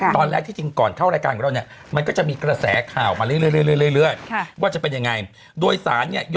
ตอนแรกที่จริงก่อนเข้ารายการกันแล้วเนี่ย